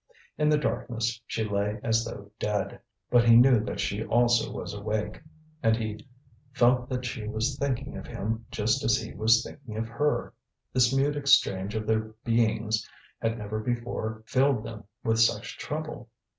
In the darkness she lay as though dead; but he knew that she also was awake, and he felt that she was thinking of him just as he was thinking of her: this mute exchange of their beings had never before filled them with such trouble.